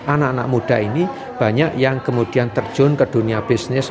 anak anak muda ini banyak yang kemudian terjun ke dunia bisnis